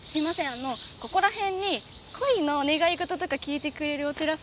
あのここら辺に恋のお願い事とか聞いてくれるお寺さんとかってありますか？